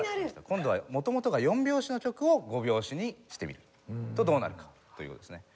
今度は元々が４拍子の曲を５拍子にしてみるとどうなるかという事ですね。